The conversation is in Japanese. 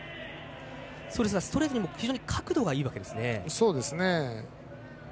ストレートでも角度がいいわけですね。